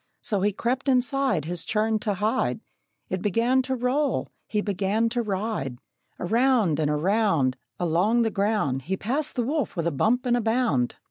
So he crept inside His churn to hide; It began to roll; he began to ride; Around and around, Along the ground, He passed the wolf with a bump and bound.